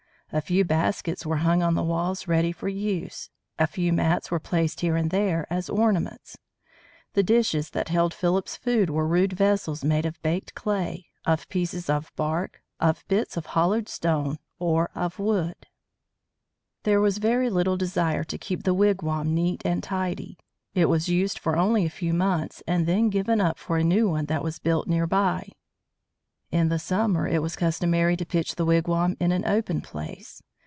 A few baskets were hung on the walls ready for use. A few mats were placed here and there as ornaments. The dishes that held Philip's food were rude vessels made of baked clay, of pieces of bark, of bits of hollowed stone, or of wood. [Illustration: MOUNT HOPE] There was very little desire to keep the wigwam neat and tidy. It was used for only a few months, and then given up for a new one that was built near by. In the summer it was customary to pitch the wigwam in an open place.